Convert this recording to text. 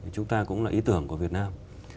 chúng ta cũng là ý tưởng của việt nam